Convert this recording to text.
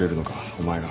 お前が。